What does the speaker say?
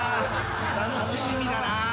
楽しみだな。